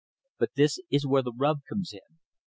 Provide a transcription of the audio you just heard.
But this is where the rub comes in.